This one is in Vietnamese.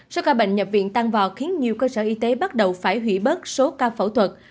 số ca bệnh nhập viện tăng vọt khiến nhiều cơ sở y tế bắt đầu phải hủy bớt số ca phẫu thuật